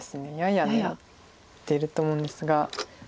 やや狙ってると思うんですが。